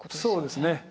そうですね。